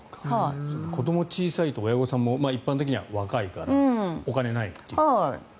子どもが小さいと親御さんも一般的には若いからお金、ないっていう。